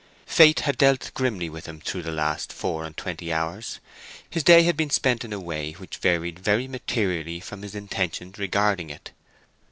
Fate had dealt grimly with him through the last four and twenty hours. His day had been spent in a way which varied very materially from his intentions regarding it.